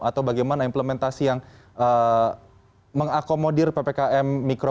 atau bagaimana implementasi yang mengakomodir ppkm mikro